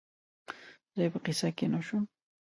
زه یې په قصه کې نه شوم